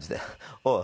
おい。